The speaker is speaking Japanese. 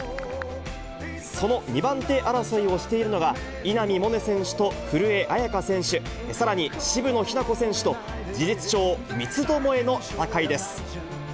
その２番手争いをしているのが、稲見萌寧選手と古江彩佳選手、さらに渋野日向子選手と、事実上、三つどもえの戦いです。